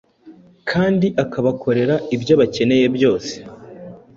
kandi akabakorera ibyo bakeneye byose.